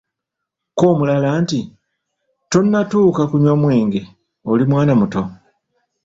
Ko omulala nti, "tonnatuuka kunywa mwenge oli mwana muto."